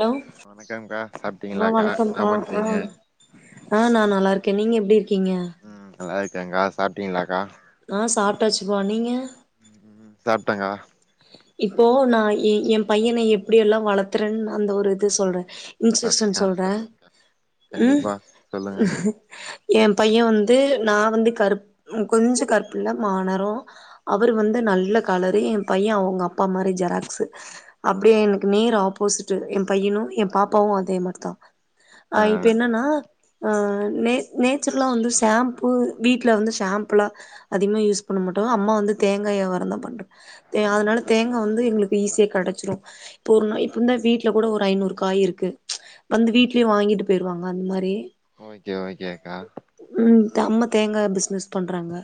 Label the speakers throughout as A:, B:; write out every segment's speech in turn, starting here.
A: low
B: வணக்கம்க்கா
A: ஆஹ்
B: சாப்ட்டீங்களாக்கா என்ன
A: வணக்கம்ப்பா
B: பண்றீங்க
A: ஆஹ் ஆஹ் நா நல்லா இருக் ஓகே நீங்க எப்டி இருக்கீங்க
B: ம் நல்லா இருக்கேங்கா சாப்ட்டடங்களாக்கா
A: ஆஹ் சாப்ட்டாச்சுப்பா நீங்க
B: சாப்ட்டங்க்கா
A: இப்போ நா எ எ பையன எப்டியெல்லா வளர்த்துறேன்னு அந்த ஒரு இது சொல்றேன் இன்ஸ்டக்க்ஷன்
B: சாப்ட்டீங்க
A: சொல்றே
B: சொல்லுங்க்கா
A: உம்
B: கண்டிப்பா சொல்லுங்க
A: எ பைய வந்து நா வந்து கருப் உம் கொஞ்ச கருப்புல்ல மாநெறோ அவரு வந்து நல்ல கலரு எ பைய அவ்ங்க அப்பா மாரி ஜெராக்ஸு அப்டியே எனக்கு நேர் ஆப்போசிட்டு் எ பையனு எ பாப்பாவு அதே மார்தா
B: ஆ
A: அஹ் இப்ப என்னன்னா ஆஹ் நே நேச்சுரலா வந்து ஷேம்பு வீட்ல வந்து ஷேம்புலா அதிகமா யூஸ் பண்ண மாட்டோ அம்மா வந்து தேங்கா யாவாரந்தா பண்றா தே அதனால தேங்கா வந்து எங்களுக்கு ஈஸியா கெடச்சுரு இப்போ ஒரு நா இப்பந்த வீட்ல கூட ஒரு ஐநூறு காய் இருக்கு வந்து வீட்லயு வாங்கிட்டு போயிருவாங் அந் மாரி
B: ஓகே ஓகேக்கா
A: தம்ம தேங்கா பிஸ்னஸ் பண்றாங்க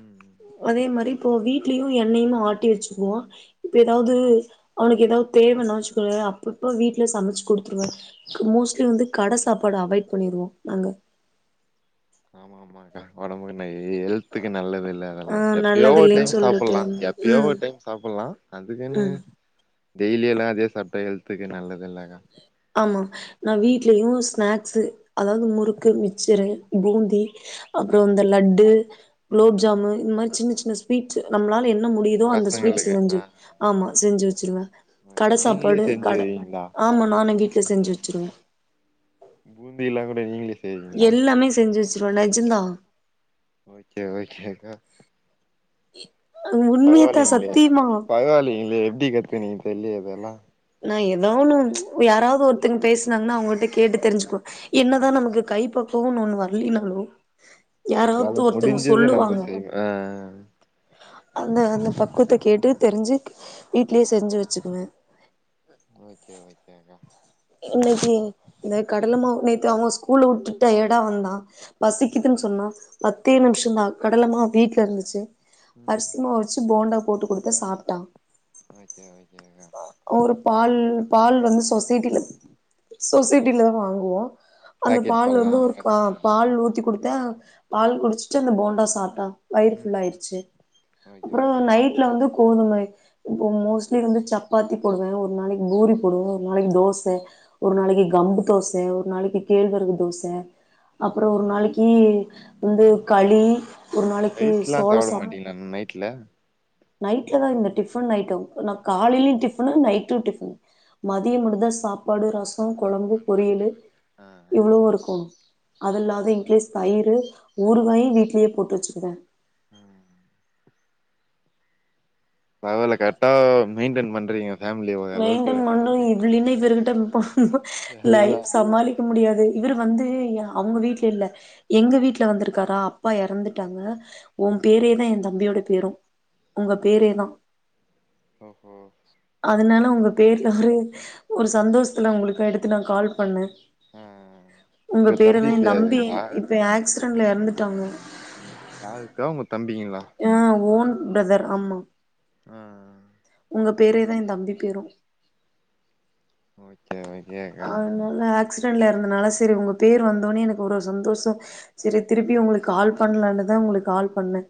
B: ம்
A: அதே மாரி இப்போ வீட்லயு எண்ணையு ஆட்டி வச்சு க்குவோ இப்ப எதாவ்து அவனுக்கு எதாவ் தேவனா வச்சுக்கொவே அப்பப்ப வீட்ல சமச்சு குடுத்ருவோ மோஸ்ட்லி வந்து கட சாப்பாடு அவாய்ட் பண்ணிருவோ நாங்க
B: ஆமா ஆமாங்கா ஒடம்புக்கு நை ஏ ஹெல்த்துக்கு நல்லதில்ல
A: ஆ
B: அதெல்லா எப்பயோ
A: நல்லது
B: ஒரு
A: இல்லைன்னு
B: டைம்
A: சொல்லிட்டு
B: சாப்புட்லா எப்பயோ
A: ம்
B: ஒரு டைம் சாப்புட்லா அதுக்குன்னு
A: ம்
B: டெய்லியெல்லா அதே சாப்ட்டா ஹெல்த்துக்கு நல்லது இல்லக்கா
A: ஆமா நா
B: ஆ
A: வீட்லயு ஸ்நாக் ஸு அதாது முறுக்கு மிச்சரு பூந்தி அப்றொ இந்த லட்டு
B: ம்
A: குலோப்ஜாமு இந் மாரி சின்ன சி ன ஸ்வீட்ஸு நம்ளால என் ன‌ முடியிதோ அந்த ஸ்வீட்ஸ்
B: பசங்களுக்கு
A: செஞ்சு ஆமா செஞ்சு வச்சுருவே
B: நீங்ளே செஞ்சு வீங்ளா
A: மா நானெ வீட்லஸ் செஞ்சு வச்சுருவெ
B: பூந்தி எல்லா கூட நீங்ளே
A: எல்லாமே செஞ்சுச் சுருவே நெஜந்தா
B: ஓகே ஓகேக்கா
A: [inaudible] உண்மையத்தா
B: பரவாலிங்ளே
A: சத்தியமா
B: பரவாலிங்ளே எப்டி கத்துனி தெர்லெயே அதெல்லா
A: நா ஏதோ ஒன்னு யாராவ்து ஒருத்தங் பேசுனாங்னா அவுங்கட்ட கேட்டு தெருஞ்சுக்வோ என்னதா நமக்கு கைப்பக் வோன் ஒன்னு வர்லெனாலு
B: நம்ளால முடுஞ்சது நம்ப செய்ணு ஆ
A: அந்த அந்த பக்குவத்த கேட்டு தெருஞ்சு வீட்லே செஞ்சு வச்சுக்குவே
B: ஓகே ஓகே கா
A: இந்தா கடலைமா நேத்து அவங்க ஸ்கூல்ல உட்டுட்டு டயர்டா வந்தான் பசிக்குதுன்னு சொன்னா பத்தே நிமிஷதா கடலமா வீட்ல இருந்துச்சு அரிசிமாவு வச்சு போண்டா போட்டு குடுத்தே சாப்ட்டான்
B: ஓக்கே ஓக்கேக்கா
A: அப்றோ பால் பால் வந்து சொசைட்டில சொசைட்டில தா வாங்குவோ அந்த
B: பாக்கெட்
A: பால்
B: பல்லா
A: வந்து ஒரு
B: வாங்கறது இல்லைங்களா
A: பால் ஊத்தி குடு அத பால் குடிச்சிட்டு அந்த போண்டா சாப்ட்டா வயர்ஃபுல்லயிருச்சு
B: ஓகே
A: அப்றோ
B: ஓகேக்கா
A: நைட்ல வந்து கோதுமை இப்போ மோஸ்ட்லி வந்து சப்பாத்தி போடுவே ஒரு நாளைக்கு பூரி போடுவே ஒரு நாளைக்கு தோச ஒரு நாளைக்கு கம்பு தோஸ் தே ஒரு நாளைக்கி கேழ்வரகு தோச அப்புறோ ஒரு நாளைக்கி வந்து களி ஒரு நாளைக்கு
B: ரைஸ்லா
A: சோள
B: சாப்ட
A: சாப்பாடு
B: மாட்டீங்களா நைட்ல
A: நைட்ல தா இந்த டிஃபன் ஐட்டோ நா காலைலயு டிஃபனு நைட் ட்டு டிஃபன் மதியோ முடுஞ்சா சாப்பாடு ரசோ சோம் கொழம்பு
B: சாப்பாடு ஓகே
A: பொரியலு
B: ஓகே ஆ
A: இவ்ளோவு இருக்கோனு அது இல்லாத [unintelligible] தயிரு ஊருகாயு வீட்லயே போட்டு வச்சுருந்தே
B: ம் பரவால கரெக்டா மெயின்டென் பண்றீங்க ஃபேமிலிய ஓரளவுக்கு
A: மெயின்டென்
B: ரன்
A: பண்ண
B: பண்றீங்க
A: இதுல என்ன இப்ப இருக்கு டெம்பொ
B: அதுதா
A: லைஃப் சமாளிக்க முடியாது இவர் வந்து அவங்க வீட்ல இல்ல எங்க வீட்டுல வந்திருக்காரா அப்பா எறந்துட்டாங்க உன் பேரே தா எ தம்பியோட பேரு உங்க பேரேதா
B: ஓகோ
A: அதனால உங்க பேர்ல ஒரு ஒரு சந்தோசத்துல உங்களுக்கு எடுத்து நா கால் பண்ணே
B: ஆ
A: உங்க பேரு என்னா எ தம்பி இப்ப ஆக்சி ல்ல எறந்துட்டாங்க
B: யாரிருக்க உனக்
A: ஆ ஓன் பிரதர் அம்மா
B: ஆஹ்
A: உங்க பேரேதா ஏ தம்பி பேரு
B: ஓ கே எ [unintelligible]
A: ஆக்சிடெண்டில் இருந்தனால செரி உங்க பேர் வந்தோனே எனக்கு ஒரு சந்தோஷம் சரி திருப்பி உங்களுக்கு கால் பண்ணலான்னு தா உங்களுக்கு கால் பண்ன்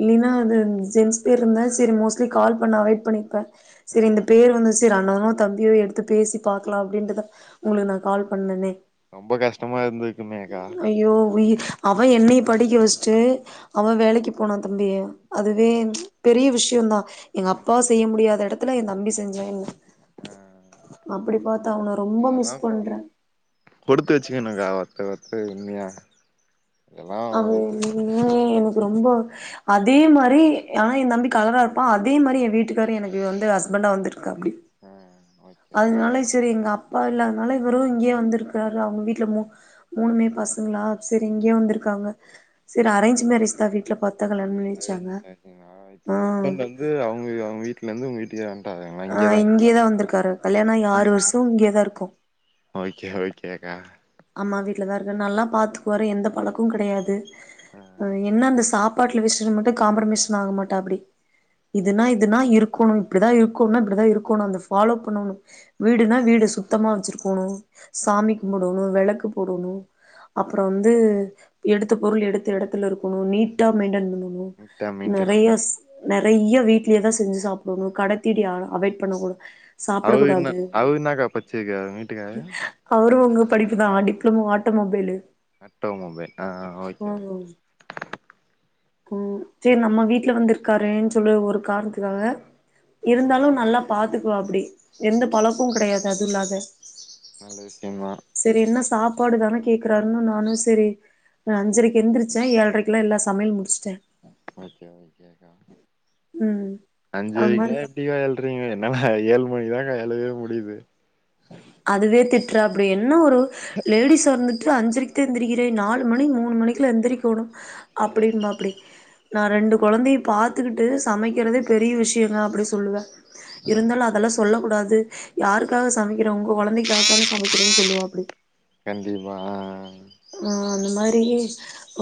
A: இல்லைன்னா அது ஜென்ட்ஸ் பேர் இருந்தால் செரி மோஸ்ட்லி கால் பண்ண அவாய்ட் பண்ணியிருப்பே
B: ஆ
A: செரி இந்த பேர் வந்து செரி அண்ணனோ தம்பியோ எடுத்து பேசி பாத்து க்கலாம் அப்படின்ட்டுதா உங்களுக்கு நா கால் பண்ணேனே
B: ரொம்ப கஷ்டமா இருந்துக்கு மே கா [inaudible]
A: ஐயோ உயி அவ என்னைய படிக்க வெச்சிட்டு அவ வேலைக்கு போனான் தம்பிய அதுவே பெரிய விஷயம்தா எங்க அப்பாவ
B: கண்டிப்பா
A: செய்ய முடியாத எடத் த்துல எ தம்பி செஞ்சா என்ன
B: ஆ
A: அப்டி பாத்து அவன ரொம்ப
B: அதெல்லா
A: மிஸ் பண்றே
B: கொடுத்து வச்சுக்கணுக்கா அவர்ட்ட பெருமையா
A: அது உண்மயே எனக்கு ரொம்ப அதே மாரி ஆனா எ தம்பி கலரா இருப்பா அதே மாரி என வீட்டுக்காரு எனக்கு வந்து ஹஸ்பண்டா வந்திருக்காப்டி
B: ம்
A: அதனால சேரி எங்க அப் பா இல்லாதனால இவரு இங்கேயே வந்திருக்காரு அவங்க வீட்ல மூ மூணுமே பசங்களா சேரி இங்கேயே வந்திருக்காங்க சேரி அரேஞ்ச் மேரேஜ்தா வீட்ல பாத்
B: அரேஞ்ச் மேரேஜ்ங்களா இப்ப உங்க
A: ஆ
B: ஹஸ்பண்ட் வந்து அவங்க அவங்க வீட்ல இருந்து உங்க வீட் தியா
A: அ இங்கயேதா வந்திருக்காரு கல்யாண ஆகி ஆறு
B: ஆ
A: வருஷோ இங்கேயேதா இருக்கோ
B: ஓகே ஓகேக்கா
A: அம்மா வீட்லதா இருக்க நல்லா பாத்துக்குவாரு எந்த பழக்கமு கடையாது
B: ஆ
A: அ என்ன அந்த சா பாட்டுல வீசுற மட்டு காம்ப்ரமிஷன் ஆகமாட்டாப்டி இதுனா இதுனா இருக்கோணு இப்டிதா இருக்கோணுனா இப்டிதா இருக்கோணு அந்த ஃபாலோப் பண்ணோணு வீடுனா வீடு சுத்தமா வச்சுருக்கோணு சாமி கும்புடு வெளக்கு போடோணு அப்பறோ வந்து எடுத்த பொருள் எடுத்த எடத்துல இருக்கணு நீட்டா மெயின்டன் பண்ணு
B: நீட்டா மெயின்டன்
A: நெறைய நெறைய வீடலயேதா செஞ்சு சாப்டோணு கடத்தீனி அ அவாய்ட் பண்ணனு
B: அவுர் இன்னா அவுர் இன்னாக்கா படிச்சிருக்காரு உங்க வீட்டுக்காரு
A: படிப்புதா டிப்ளமோ ஆட்டோமொபைலு
B: ஆட்டோமொபைல் ஆ ஆ ஓகே
A: ம்
B: ஓகே
A: ம் சேரி நம்ம வீட்ல வந்து இருக்காறேன் சொல்லி ஒரு கார்ணத்துக்காக இருந்தாலு நல்லா பாத்துக்வாப்டி எந்த பழக்கு கெடையாது அதுல்லாத
B: நல்ல விஷ்யம்மா
A: பாடு தான கேக்கறாருன்னு நானு செரி அஞ்சரைக்கு எந்திரிச்ச ஏழ்ரைக்குலா எல்லா சமையல் முடிச் சுட்ட
B: ஒகே ஒகேக்கா
A: ம் அது
B: அஞ்சரைங்லா
A: மாரி
B: எப்டியு ஏழ்ரைங்க என்னல ஏழு மணிதாக்கா எழவே முடிது
A: அதுவே திட்றாப்டி என் ன ஒரு லேடிஸ் வந்து அஞ்ரைக்கு தா எந்திரிக்கிற நாலு மணி மூணு மணிக்ல எந்திரிகோனோ அப்டி மாப்டி நா ரெண்டு கொழந்தையு பாத்துக்கிட்டு சமைக்றதே பெரிய விஷயோங்க அப்டி சொல்லுவ
B: ஆ
A: இருந்தாலு அதெல்லா சொல்லம் கூடாது யாருக்காக சொ சமைக்கிறோ உங்க கொழந்தைக்காதானே சமைக்கிறேனு சொல்லுவாப்டி
B: கண்டிப்பா ஆஹ் ஆஹ்
A: ஆஹ் அந்த மாரி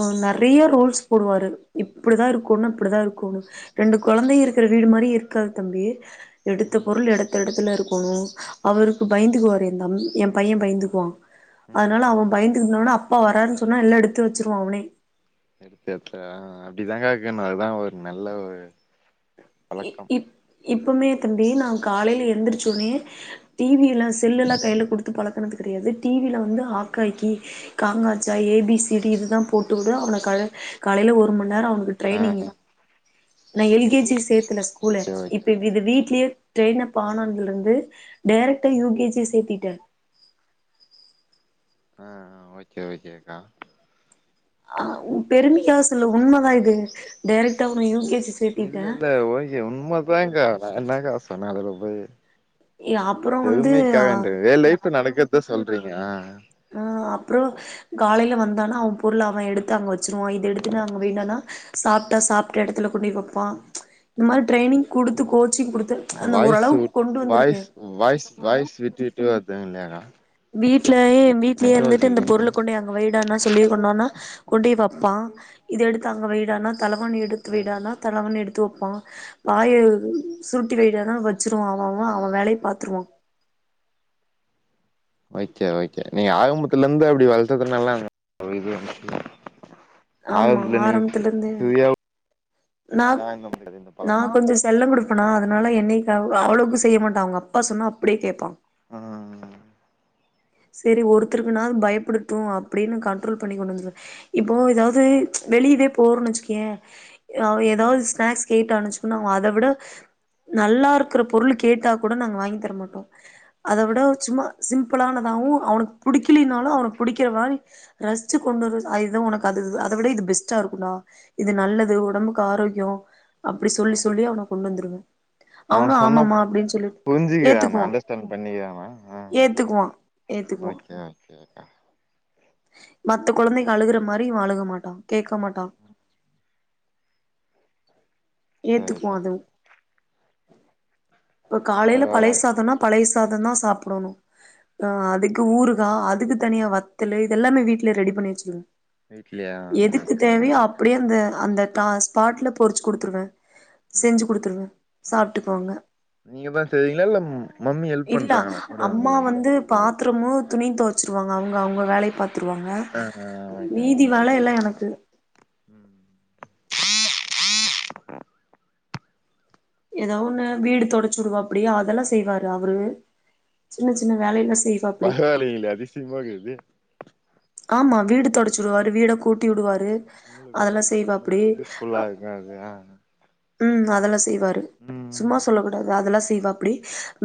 A: அ நெறையா ரூல்ஸ் போடுவாரு இப்டிதா இர்க்கோன்னா இப்டிதா இர்க்கோனு ரெண்டு கொழந்த இருக்குற வீடு மாரி இருக்காது தம்பி எடுத்த
B: ம்
A: பொருள் எடுத்த எடத்துல இருக் கோனும் அவருக்கு பயந்துக்குவார் என் தம்பி என் பைய்ய பயந்துக்குவா
B: ம்
A: அதனால அவன் பயந்துக்னோனே அப் அப்பா வராருன் சொன்னா எல்லா எடுத்து வெச்சிர்வா அவனே
B: எடுத்த எடத்துல அப்டிதாங்க்கா வக்கனும் அதான் ஒரு நல்ல ஒரு
A: இ
B: பழக்கம்
A: இப் இப்போமே தம்பி நா காலைல எந்திரிச்சோனே டி வியில செல்லல்லா கைல குடுத்து பழக்குனது கெடையாது டி வில வந்து ஆக்காயிக்கி காங்காச்சா ஏ பி சி டி இது தா போட்டுவிடு அவன கழ காலேல ஒரு மணிநேரோ அவ னுக்கு
B: ஆ
A: ட்ரைனிங்
B: ஆ
A: நா எல் கே ஜி சேத் ந்தன ஸ்கூலு
B: ஓகே ஓகே
A: இப்பவ்யிது வீட்லியே ட்ரெய்ன்அப்
B: ஆ
A: ஆனாதுலந்து டெரக்ட்டா யு கே ஜி சேத்திட்டே
B: ஆஹ் ஓகே ஓகேக்கா
A: ஆஹ் உ பெருமைக்காக சொல்லல உண்மதா இது டேரக்ட்டா அவன யு கே ஜி
B: இல்ல
A: சேத்திட்டே
B: இல்ல ஓக்கே உண்மதாக்கா நா என்னக்கா சொன்னே அதுல போயி
A: அப்புறோ வந்து ஆ
B: பெருமைக்காகன்ற என் லைஃப்ல நடக் கறத சொல்றீங்க அஹ்
A: அஹ் அப்புறம் காலேல வந்தானா அவன் பொருள அவன் எடுத்து அங்க வச்சிருவான் இது எடுத்துட்டு அங்க வைடாணா சாப்ட்டா சாப்ட்ட இடத்துல கொண்டு போய் வைப்பான் ச் இந்த மாரி ட்ரைனிங் குடுத்து கோச்சிங் குடுத்
B: வாய்ஸ்விட் வாய்ஸ் வாய்ஸ் வாய்ஸ் விட்டு விட்டு டு வருதுங் நேரா
A: வீட் லயே வீட்லயே இருந்துட்டு இந்த
B: இல்லையா
A: பொருள கொண்டுபோய் அங்க வய்டான்னா சொல்லி கொண்டோனா கொண்டோய் வப்பான் இத எடுத்து து அங்க வைடான்னா தலவானி எடுத்து
B: ஆ
A: வைடான்னா தலவானி எடுத்து து வப்பான் பாய சுருட்டி வையிடான்னா வச்சுருவான் அவ அவன் அவன் வேலைய பாத்துருவான்
B: ஓகே ஓகே நீ ஆரமுத்துல இருந்து அப்டி வளத்ததுனால்லா [inaudible]
A: ஆமா
B: ஆரபத்ல நீ
A: ஆரம்பத்துல இருந்தே
B: ஃப்ரீயா வுட்
A: நா நான் கொஞ்சம் செல்லம் குடுப்பனா அதனால என்னய கவ அவ்வளவுக்கு செய்ய மாட்டா அவுங்க அப்பா சொன்னா அப்டியே கேட்பான்
B: உம் உம்
A: சரி ஒருத்தருக்குனாலும் பயப்படட்டும் அப்டின்னு கண்ட்ரோல் பண்ணி கொண்டு வந்தேன் இப்போ ஏதாவது வெளியவே போறோம்ன்னு வச்சுக்கேயேன் அவன் ஏதாவது
B: ம்
A: ஸ்நாக்ஸ் கேட்டானச்சும் அத விட நல்லா இருக்கிற பொருள் கேட்டா கூட நாங்க வாங்கி தர மாட்டோம் அதை விட ஒரு சும்மா சிம்பிளான அவு அவனுக்கு புடிக்கலனாலும் அவனுக்கு புடிக்கிற மாரி ரசிச்சு கொண்டு வந்து அதுதான் உனக்கு அது அதை விட இது பெஸ்ட்டா இருக்கும்டா இது நல்லது உடம்புக்கு ஆரோக்கியம் அப்டி சொல்லி
B: ம்
A: சொல்லி அவனை கொண்டு வந்துருவேன்
B: அவன்
A: அவனும்
B: சொன்னா
A: ஆமம்மா அப்டின்னு சொல்லிட்டு
B: புரிஞ்சுக்கிறானா
A: ஏத்துக்குவான்
B: அண்டர்ஸ்டாண்ட் பண்ணிக்கிறானா ஆ
A: ஏத்துக்குவான்
B: ஓகே ஓகே அக்கா
A: மத்த கொழந்தைக்கு அழுகுற மாரி இவன் அழுக மாட்டான் கேட்க மாட்டான்
B: சரி
A: ஏத்துக்குவான்
B: சரி
A: அதுவும் [inaudible] இப்ப காலேயில
B: பரவால்ல
A: பழைய சாதம்னா பழைய சாதம் தான் சாப்புடணும் அஹ் அதுக்கு ஊறுகா அதுக்கு தனியா வத்தலு இதெல்லாமே வீட்ல ரெடி பண்ணி வச்சிருவோம்
B: வீட்லயா
A: எதுக்கு
B: ஓகே ஓகே
A: தேவையோ அப்டியே அந்த அந்த தா ஸ்பாட்ல பொறிச்சு கொடுத்துருவேன் செஞ்சு குடுத்துருவேன் சாப்ட்டுக்குவாங்க
B: நீங்கதா செய்வீங்களா இல்லம் மம்
A: இல்ல அம்மா வந்து பாத் [unintelligible] துணி தொவச்சிருவாங்க அவங்க அவங்க வேலய பார்த்து த்துருவாங்க
B: ஆ ஆ ஓகே
A: மீதி
B: ஓகே
A: வேலையெல்லாம் எனக்கு
B: ம்
A: ஏதாவொண்ணு வீடு தொடுடைச்சிவிடுவாப்டி அதெல்லாம் செய்வாரு அவரு சின்ன சின்ன வேலையெல்லா செய்வாப்படி
B: பரவாயில்லைங்களே அதிசயமாகுது
A: ஆமா வீடு தொடச்சிடுவாரு வீட கூட்டி உடுவாரு
B: உங்களுக்கு
A: அதெல்லாம்
B: ஹெல்ப்
A: செய்வ அப்படி
B: உங்களுக்கு யூஸ்ஃபுல்லா இருக்கு அது ஆ
A: உம் அதெல்லாம் செய் பாரு
B: ம்
A: சும்மா சொல்லக்கூடாது அதெல்லாம் செய் செய்வ அப்படி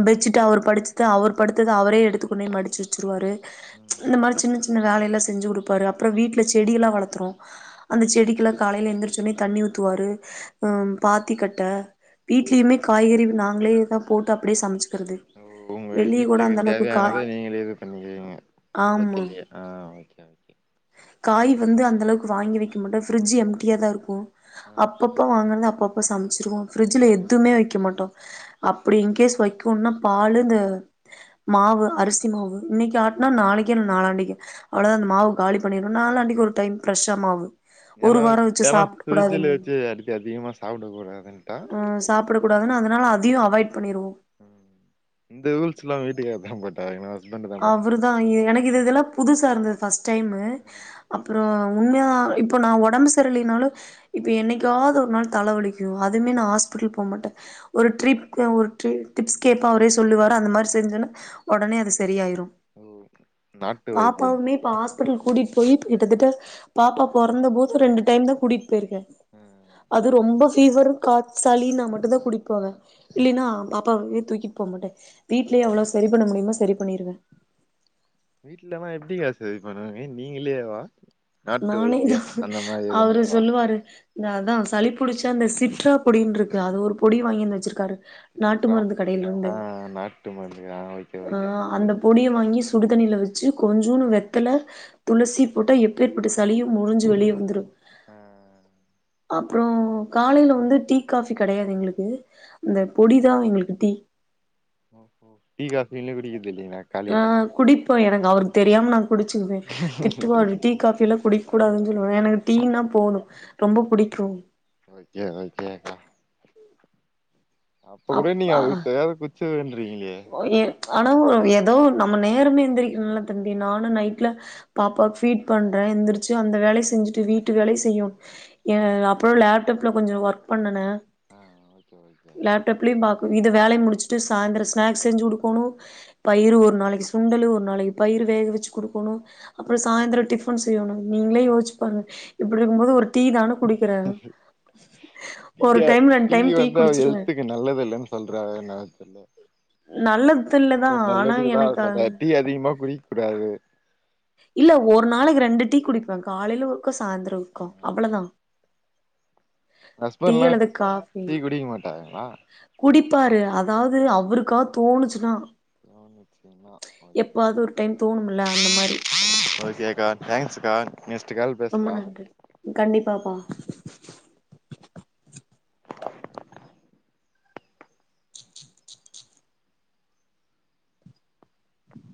A: பெட்ஷீட் அவர் படிச்ச அவர் படுத்தது அவரே எடுத்துக்கொண்டே மடிச்சு வச்சிருவாரு
B: ம்
A: இந்த மாதிரி சின்ன சின்ன சின்ன வேலையெல்லாம் செஞ்சு கொடுப்பாரு அப்புறம் வீட்டுல செடிய எல்லாம் வளர்த்துறோம் அந்த செடிக்குெல்லாம் காலையில எழுந்திரச்ச உடனே தண்ணி ஊத்துவாரு பாத்தி கட்ட வீட்லயுமே காய்கறி நாங்களே தான் போட்டு அப்படியே சமைச்சு
B: ஓ உங்க வீட்டுக்கு
A: காய்
B: தேவையானதை நீங்க இது பண்ணிக்கீங்க
A: ஆமா
B: [unintelligible] ஆஹ் ஓகே ஓகே
A: காய் வந்து அந்த அளவுக்கு வாங்கி வக்க மாட்டோம் ஃபரிட்ஜ் எம்டியாக தான் இருக்கும்
B: உஹம்
A: அப்பப்ப சமைச்சிருவோம் ஃப்ரிஜ்ட்ல எதுவுமே வைக்க மாட்டோம் அப்படி இன்கேஸ் வைக்கணும்னா பால் இந்த மாவு அரிசி மாவு இன்னக்கு ஆட்டனா நாளைக்கு நாலாண்டக்கு அவ்வளவுதான் அந்த மாவு காலி பண்நிருவோம் நாலாண்டக்கு ஒரு டைம் ப்ரெஷ் அஹ் மாவு ஒரு
B: ஏன்னா
A: வாரோ வச்சு
B: ஏனா
A: சாப்ட
B: பிரிஜில
A: கூடாதுன்னு
B: வச்சு அடிக்கடி அதிகமா சாப்டக் கூடாதுன்ட்டா
A: கூடாதுன அதனால அதையும் அவாய்ட் பண்ணிருவோ
B: ம் ம் இந்த ரூல்ஸ் எல்லாம் வீட்டுக்கார்த்தான் போட்டாருங்கலா
A: அவருதான் எனக் இது இதெல்லாம் புதுசா இருந்தது ஃபர்ஸ்ட் டைம் அப்புறம் உண்மைய இப்போ நான் உடம்பு சரலலைனாலும் இப்போ என்னைக்காவது ஒரு நாள் தலைவலிக்கும் அதுவுமே நான் ஹாஸ்பிட்டல் போக மாட்டேன் ஒரு ட்ரிப் ஒரு டிப்ஸ் கேட்பேன் அவரே சொல்லுவார் அந்த மாரி செஞ்சன்னா உடனே அது சரியாயிரும்
B: ஓ நாட்டு
A: பாப்பா
B: வைத்தியம்
A: உமே இப் ஹாஸ் ஹாஸ்பிடல் கூட்டிட்டு போய் கிட்டத்தட்ட பாப்பா பொறந்த போது ரெண்டு டைம் தான் கூட்டிட்டு போய் இருக்க
B: ஆ
A: அது ரொம்ப ஃபீவர் காப் சலின்னா மட்டும் தான் தான் கூட்டிட்டு போவேன் இல்லைனா பாப்பாவே தூக்கிட்டு போக மாட்டன் வீட்லயே எவ்வளவு சரி பண்ண முடியுமா சரிண பன்னிருவேன்
B: வீட்லன்ன எப்படிங்க சரி பண்ணுவாங்க நீங்கலேவா
A: நானே தான் அவரு சொல்லுவாரு இந்த அதான் சளி புடிச்சா அந்த சிட்ரா பொடினு இருக்கு அது ஒரு பொடி வாங்கிருந்து வச்சிருக்காரு நாட்டு
B: சிட்ரா
A: மருந்து
B: பொடி
A: கடையில இருந்து
B: ஆ நாட்டு மருந்து ஆ ஓகே
A: ஆ
B: ஓகே
A: அந்த பொடிய வாங்கி சுடுதண்ணியில் வச்சு கொஞ்சோன்னு வெத்தல துளசி போட்டா எப்பேற்பட்ட சளியும் முறிஞ்சு வெளியே வந்துடும்
B: ஆ ஆ
A: அப்புறம் காலையில வந்து டீ காபி கடையாது எங்களுக்கு அந்த பொடிதான் எங்களுக்கு டீ
B: ஓ கோ டி காபி இன குடிக்க இல்லைகங்கலா காலையில
A: இப்போ எனக் அவர்க்கு தெரியாம்ம நாங்க குடிச்சுக்குவே திட்டுவாறு டீ காஃபில்லா குடிக்க
B: ஆ
A: குடாதுன் சொல்வாரு எனக்கு டீனா போதும் ரொம்ப புடிக்கும்
B: ஓகே ஓகே அக்கா அப்ப கூட
A: அப்
B: நீ
A: ஆ
B: அவுகளுக் தேவபட்ச வன்றிங்களே
A: ஆன ஒர் எதோ ஒரு நம்ம நேரமே எந்த்ரிக்கணுல்ல தம்பி நானு நைட்ல பாப்பாவுக் ஃபீட் பண்ட்றே எந்த்ருச்சு அந்த வேலய செஞ்சுட்டு வீட்டு வேல செய்யும் ஏ அப்றோ லேப்டப்ல கொஞ்ச ஒர்க் பண்ணுனே
B: ஆ ஓகே ஓகே ணா
A: லேப்டாப்லயு பாக்க இது வேலய முடிச்சுட் ட் சாய்ந்தரம் ஸ்நாக்ஸ் செஞ்சு குடுக்கோணும் பயிறு ஒரு நாளை சுண்டல் ஒரு நாளை பயிறு வேக வச்சு குடுக்கோணும் அப்றம் சாய்ந்தரம் டிஃபன் செய்யணும் நீங்களே யோசிச்சிப் பாருங்க இப்டி இருக்கும்போது ஒரு டீ தான குடிக்கிறே ஒரு
B: அ
A: டைம் ரெண்டு
B: டீ
A: டைம்
B: வந்து அவ
A: குடிச்சிருவே
B: ஹெல்த்துக்கு நல்லதுல்லன்னு சொல்றா ஏனா ஹலோ
A: நல்லது இல்லதா
B: உங்க
A: ஆனா
B: நல்லதுகுதா
A: எனக்கு அது
B: சொன்னே டீ அதிகமா குடிக் முடியாது
A: இல்ல ஒரு நாளைக்கு ரெண்டு டீ குடிப்பே காலையில ஒரு க்கம் சாயந்தரம் விக்கம் அவ்ளோதான் டீ அல்லது காஃபி
B: டாங்குளா
A: குடிப்பாரு அதாவது அவுருக்கா தோணுச்சுனா
B: தோனுச்சுனா ஓகே
A: ஒரு டைம் தோணும்ல அந்த மாரி
B: ஓகேக்கா தேங்க்ஸ் கா நெஸ்
A: ரொம்ப நன்றி கண்டிபாப்பா